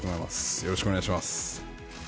よろしくお願いします。